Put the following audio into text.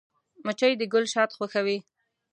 مچمچۍ د ګل شات خوښوي